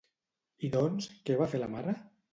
I doncs, què va fer la mare?